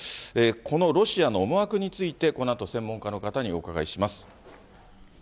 このロシアの思惑について、このあと、専門家の方にお伺いします。